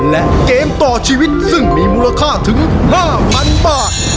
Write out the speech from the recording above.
และเกมต่อชีวิตซึ่งมีมูลค่าถึง๕๐๐๐บาท